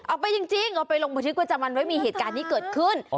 เอาไปจริงเอาไปรวมพระชิกว่าจะมันไม่มีเหตุการณ์ที่เกิดขึ้น